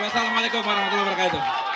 wassalamualaikum warahmatullahi wabarakatuh